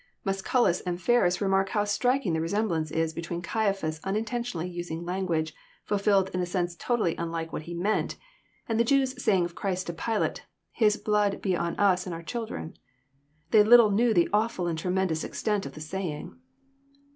Muscnlus and Ferns remark how striking the resemblance is between Caiaphas unintentionally using language AilfiUed in a sense totally unlike what he meant, and the Jews saying of Christ to Pilate; *' His blood be on us and on our children." They little knew the awfUl and tremendous extent of the saying.